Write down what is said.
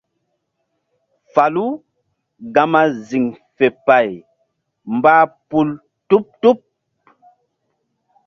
Falu gama ziŋ fe pay mbah pum tuɓ-tuɓ.